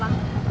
bungsi ya bang